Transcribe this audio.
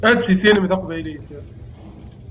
Ad tissinem taqbaylit.